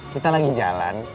kita lagi jalan